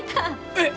えっ！？